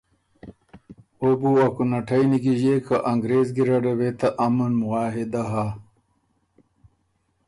او بو ا کُنه ټئ نیکیݫيېک که انګرېز ګیرډه وې ته امن معاهدۀ هۀ